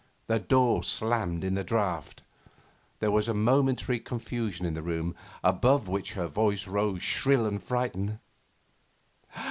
The door slammed in the draught. There was a momentary confusion in the room above which her voice rose shrill and frightened.